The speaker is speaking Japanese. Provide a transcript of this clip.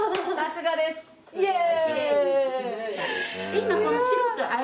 イエーイ！